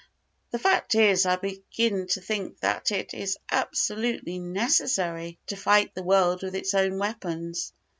The fact is, I begin to think that it is absolutely necessary to fight the world with it own weapons.